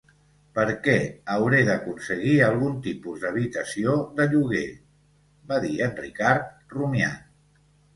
"Per què, hauré d'aconseguir algun tipus d'habitació de lloguer" va dir en Ricard, rumiant.